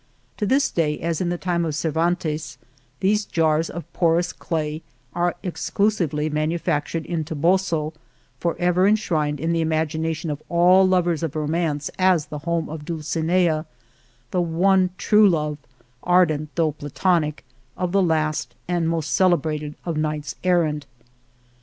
To this day, as in the time of Cervantes, these jars of porous clay are exclusively manufactured in Toboso forever enshrined in the imagination of all lovers of romance as the home of Dulcinea, the one true love, ardent though platonic, of the last and most celebrated of knights er rant.